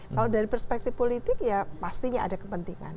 kalau dari perspektif politik ya pastinya ada kepentingan